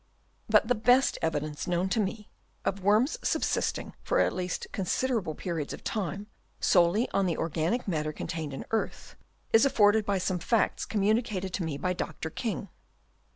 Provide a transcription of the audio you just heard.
But the best evidence, known to me, of worms subsisting for at least considerable periods of time solely on the organic matter contained in earth, is afforded by some facts communicated to me by Dr. King.